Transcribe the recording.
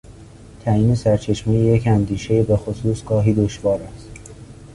تعیین سرچشمهی یک اندیشهی بخصوص گاهی دشوار است.